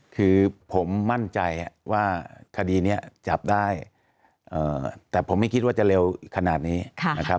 คือผมมั่นใจว่าคดีนี้จับได้แต่ผมไม่คิดว่าจะเร็วขนาดนี้นะครับ